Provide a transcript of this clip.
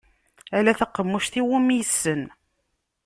Ala taqemmuc iwumi yessen.